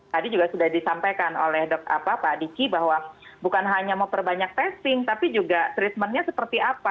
tadi juga sudah disampaikan oleh pak adiki bahwa bukan hanya memperbanyak testing tapi juga treatmentnya seperti apa